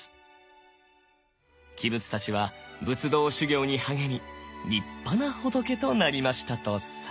器物たちは仏道修行に励み立派な仏となりましたとさ。